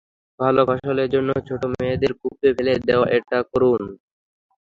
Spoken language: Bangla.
ভাল ফসলের জন্য ছোট মেয়েদের কূপে ফেলে দেওয়া, এটা করুণ।